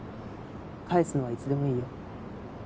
返すのはいつでもいいよ。